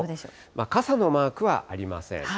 傘のマークはありません。